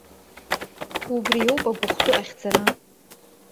Убриоуп агәыхәтәы ахьӡара.